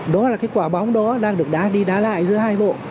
đó là cái quả bóng đó đang được đá đi đá lại giữa hai bộ